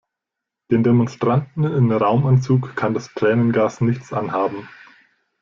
Den Demonstranten in Raumanzug kann das Tränengas nichts anhaben.